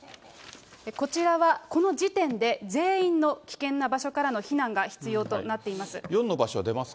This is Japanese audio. こちらはこの時点で全員の危険な場所からの避難が必要となっています。